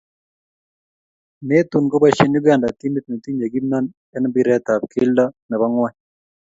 metun koboisie Uganda timit netinye kimnon eng mpiret ab keldo ne bo ngony.